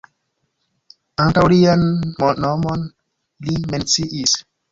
Ankaŭ lian nomon li menciis.